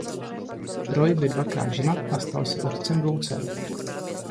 Roy by dvakrát ženat a stal se otcem dvou dcer.